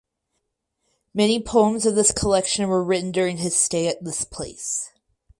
Many poems of this collection were written during his stay at this place.